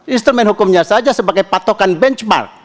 instrumen hukumnya saja sebagai tata ruang